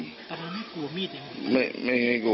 แต่ว่าไม่กลัวมีดอยู่